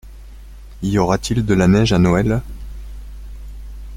Y aura-t-il de la neige à Noël ?